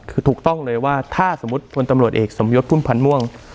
คือถูกต้องเลยว่าถ้าสมมุติพลตำรวจเอกสมยศพุ่มพันธ์ม่วง